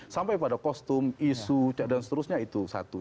sampai pada kostum isu dan seterusnya itu satu